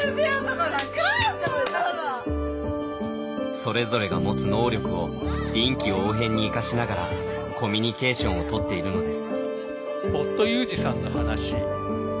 それぞれが持つ能力を臨機応変に生かしながらコミニケーションをとっているのです。